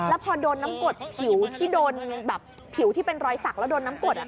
แล้วพอโดนน้ำกรดผิวที่เป็นรอยสักแล้วโดนน้ำกรด